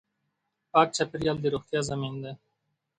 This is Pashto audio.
پاک چاپېریال د روغتیا ضامن دی.